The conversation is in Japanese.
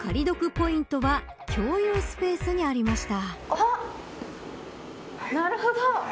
ポイントは共有スペースにありました。